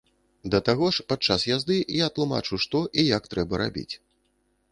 Да таго ж падчас язды я тлумачу, што і як трэба рабіць.